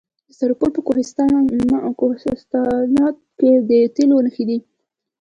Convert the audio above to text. د سرپل په کوهستانات کې د تیلو نښې شته.